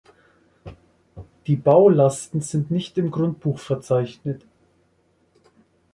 Die Baulasten sind nicht im Grundbuch verzeichnet.